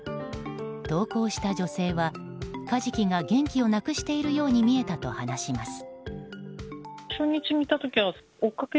投稿した女性は、カジキが元気をなくしているように見えたと話します。